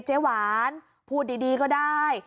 เจ๊หวานพูดดีก็ได้